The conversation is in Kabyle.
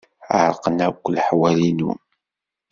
Ɛerqen akk leḥwal-inu.